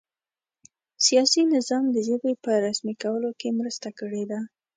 سیاسي نظام د ژبې په رسمي کولو کې مرسته کړې ده.